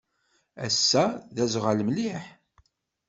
Ass-a, d aẓɣal mliḥ.